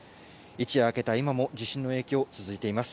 一夜明けた今も地震の影響、続いています。